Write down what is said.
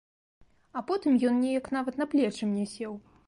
А потым ён неяк нават на плечы мне сеў.